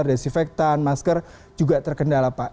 desinfektan masker juga terkendala pak